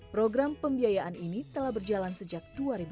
program pembiayaan ini telah berjalan sejak dua ribu enam belas